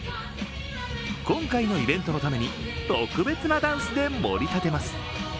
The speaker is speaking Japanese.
今回のイベントのために特別なダンスでもり立てます。